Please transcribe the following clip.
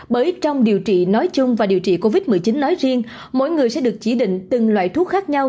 bởi trong điều trị nói chung và điều trị covid một mươi chín nói riêng mỗi người sẽ được chỉ định từng loại thuốc khác nhau